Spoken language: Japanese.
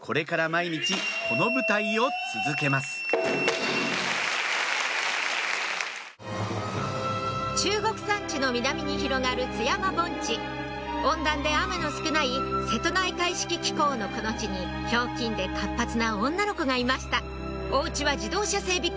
これから毎日この舞台を続けます中国山地の南に広がる津山盆地温暖で雨の少ない瀬戸内海式気候のこの地にひょうきんで活発な女の子がいましたお家は自動車整備